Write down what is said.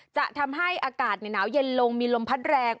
จะทำให้อากาศหนาวเย็นลงมีลมพัดแรง